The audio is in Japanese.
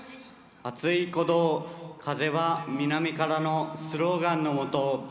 「熱い鼓動風は南から」のスローガンのもと。